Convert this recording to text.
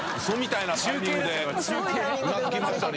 うなずきましたね